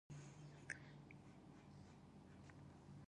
بایسکل چلونکي باید تل د خوندي تګ لارې وکاروي.